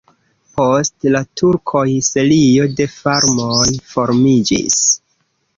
Post la turkoj serio de farmoj formiĝis.